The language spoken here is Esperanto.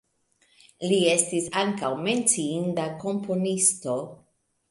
Li estis ankaŭ menciinda komponisto.